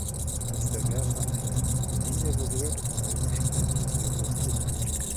Falls der Werfer eine Linie berührt oder überschreitet ist der Wurf ungültig.